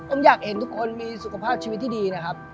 ผมอยากเห็นทุกคนมีสุขภาพชีวิตที่ดีนะครับ